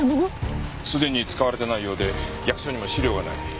すでに使われてないようで役所にも資料がない。